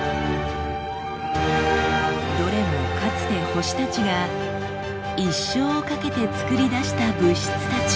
どれもかつて星たちが一生をかけて作り出した物質たち。